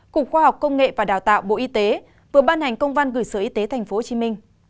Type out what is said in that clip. cục khoa học công nghệ và đào tạo bộ y tế vừa ban hành công văn gửi sở y tế tp hcm